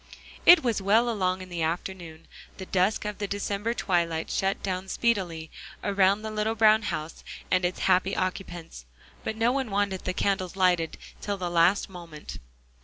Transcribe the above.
It was well along in the afternoon. The dusk of the December twilight shut down speedily, around the little brown house and its happy occupants, but no one wanted the candles lighted till the last moment.